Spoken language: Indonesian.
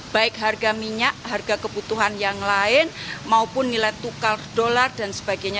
baik harga minyak harga kebutuhan yang lain maupun nilai tukar dolar dan sebagainya